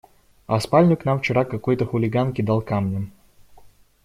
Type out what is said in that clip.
А в спальню к нам вчера какой-то хулиган кидал камнем.